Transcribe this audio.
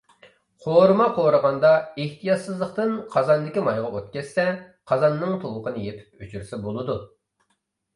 قورۇما قورۇغاندا ئېھتىياتسىزلىقتىن قازاندىكى مايغا ئوت كەتسە، قازاننىڭ تۇۋىقىنى يېپىپ ئۆچۈرسە بولىدۇ.